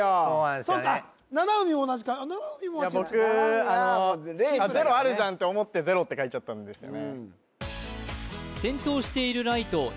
そうか七海も同じかいや僕あのゼロあるじゃんって思ってゼロって書いちゃったんですよね